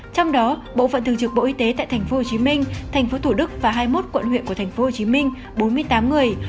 trong đó bộ phận thường trực bộ y tế tại tp hcm tp thủ đức và hai mươi một quận huyện của tp hcm bốn mươi tám người